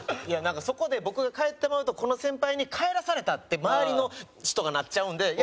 いやなんかそこで僕が帰ってまうとこの先輩に帰らされたって周りの人がなっちゃうんで。